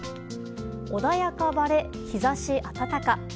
穏やか晴れ、日差し暖か。